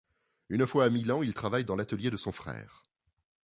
Une fois à Milan, il travaille dans l'atelier de son frère.